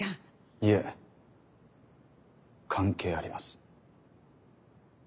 いえ関係あります。